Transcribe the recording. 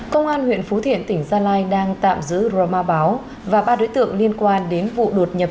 công an huyện phú thiện tỉnh gia lai đang tạm giữ roma báo và ba đối tượng liên quan đến vụ đột nhập